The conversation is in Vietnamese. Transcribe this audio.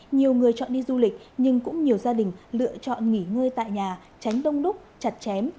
nhiều người chọn đi du lịch nhưng cũng nhiều gia đình lựa chọn nghỉ ngơi tại nhà tránh đông đúc chặt chém